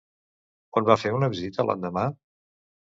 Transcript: On va a fer una visita l'endemà?